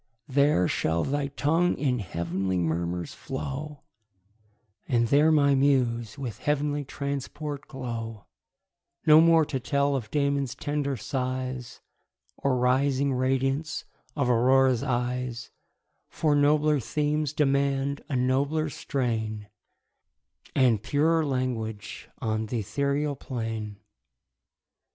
There shall thy tongue in heav'nly murmurs flow, And there my muse with heav'nly transport glow: No more to tell of Damon's tender sighs, Or rising radiance of Aurora's eyes, For nobler themes demand a nobler strain, And purer language on th' ethereal plain.